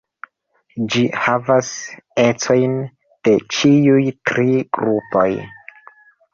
Ĝi havas ecojn de ĉiuj tri grupoj.